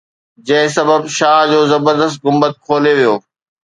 جنهن سبب شاهه جو زبردست گنبد کولي ويو